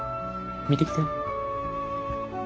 見てきて。